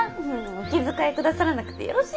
お気遣いくださらなくてよろしいのに。